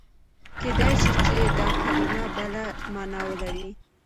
کېدای شي دا کلمه بله مانا ولري.